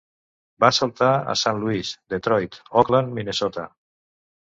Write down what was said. Va saltar a Saint Louis, Detroit, Oakland, Minnesota.